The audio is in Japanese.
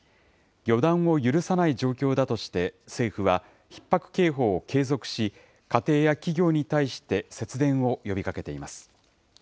予断を許さない状況だとして、政府は、ひっ迫警報を継続し、家庭や企業に対して、節電を呼びかけています。